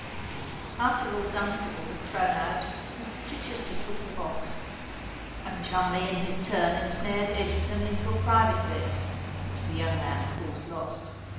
After Lord Dunstable had thrown out, Mr. Chichester took the box, and Cholmondeley in his turn ensnared Egerton into a private bet, which the young man of course lost.